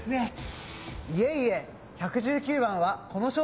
いえいえ！